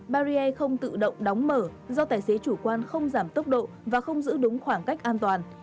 barrier không tự động đóng mở do tài xế chủ quan không giảm tốc độ và không giữ đúng khoảng cách an toàn